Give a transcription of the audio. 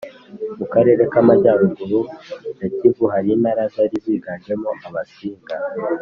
mu karere k'amajyaruguru ya kivu, hari intara zari ziganjemo abasinga